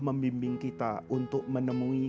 membimbing kita untuk menemui